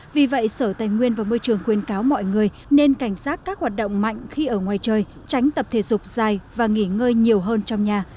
vì vậy sở tài nguyên và môi trường khuyên cáo mọi người nên cảnh giác các hoạt động mạnh khi ở ngoài chơi tránh tập thể dục dài và nghỉ ngơi nhiều hơn trong nhà